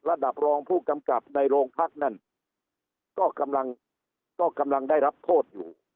ระดับรองผู้กำกับในโรงพักนั่นก็กำลังก็กำลังได้รับโทษอยู่